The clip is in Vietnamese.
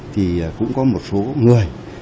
thì cũng có một số người